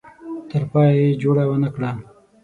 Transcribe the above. تر پایه یې جوړه ونه کړه.